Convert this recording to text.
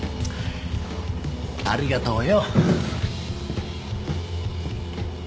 ありがとうよ。